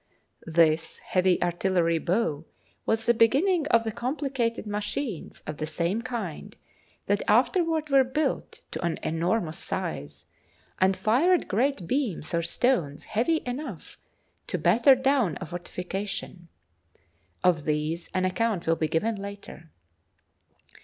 This heavy artillery bow was the beginning of the com plicated machines of the same kind that afterward were built to an enormous size and fired great beams or stones heavy enough to batter down a fortification. Of these an account will be given later.